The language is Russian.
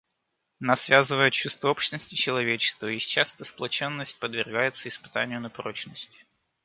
Нас связывает чувство общности человечества, и сейчас эта сплоченность подвергается испытанию на прочность.